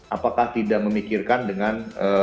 apakah tidak memikirkan dengan